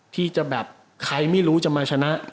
ที่จะแบบใครไม่รู้จะมาชนะ